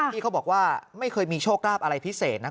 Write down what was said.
ที่เขาบอกว่าไม่เคยมีโชคราบอะไรพิเศษนะ